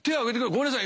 ごめんなさい。